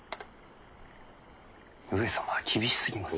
上様は厳しすぎます。